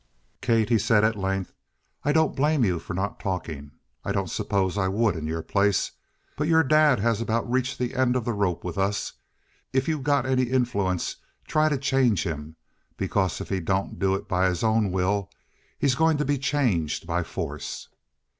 "Kate," he said at length, "I don't blame you for not talking. I don't suppose I would in your place. But your dad has about reached the end of the rope with us. If you got any influence, try to change him, because if he don't do it by his own will, he's going to be changed by force!"